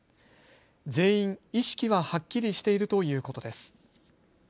全員、意識ははっきりしているということです。